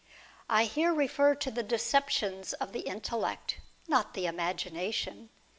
I here refer to the deceptions of the intellect, not the imagination.